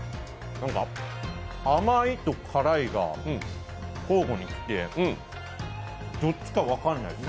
甘いと辛いが交互にきて、どっちか分かんないです。